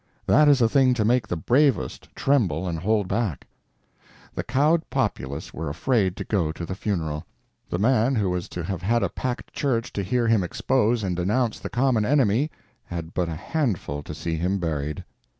That is a thing to make the bravest tremble and hold back. The cowed populace were afraid to go to the funeral. The man who was to have had a packed church to hear him expose and denounce the common enemy had but a handful to see him buried.